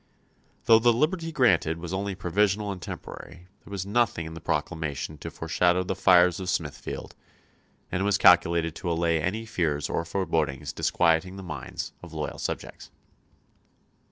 Though the liberty granted was only provisional and temporary, there was nothing in the proclamation to foreshadow the fires of Smithfield, and it was calculated to allay any fears or forebodings disquieting the minds of loyal subjects.